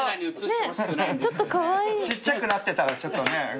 ちっちゃくなってたらちょっとね。